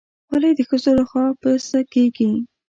خولۍ د ښځو لخوا پسه کېږي.